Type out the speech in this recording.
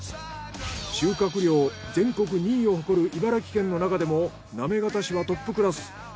収穫量全国２位を誇る茨城県の中でも行方市はトップクラス。